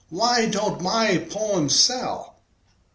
Why don't my poems sell?"